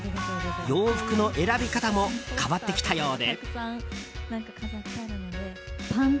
洋服の選び方も変わってきたようで。